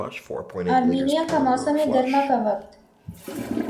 Armenia کا موسم گرما کا وقت